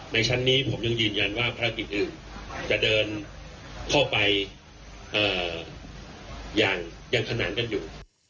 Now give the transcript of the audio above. ชั้นนี้ผมยังยืนยันว่าภารกิจอื่นจะเดินเข้าไปอย่างขนานกันอยู่